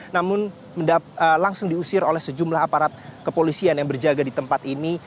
namun langsung diusir oleh sejumlah aparat kepolisian yang berjaga di tempat ini